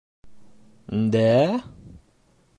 - Дә-ә?